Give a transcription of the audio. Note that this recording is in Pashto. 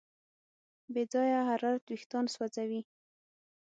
بې ځایه حرارت وېښتيان سوځوي.